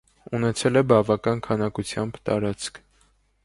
Ունեցել է բավական քանակությամբ տարածք։